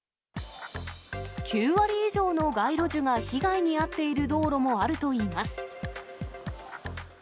９割以上の街路樹が被害に遭っている道路もあるといいます。